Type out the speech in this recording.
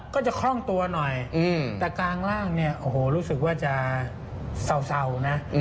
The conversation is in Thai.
คล่องตัวหน่อยแต่กลางร่างเนี่ยโอ้โหรู้สึกว่าจะเศร้านะ